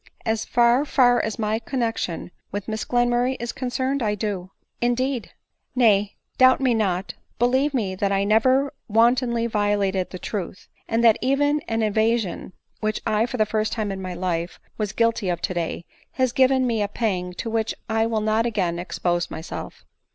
" As far far . as my connexion with Mr Glenmurray is concerned, I do." " Indeed !" 13* J 46 ADELINE MOWBRAY. " Nay, doubt me not — believe me that I never wan tonly violate the truth ; and that even an evasion, which I, for the first time in my life, was guilty of today, has given me a pang to which I will not again expose myself."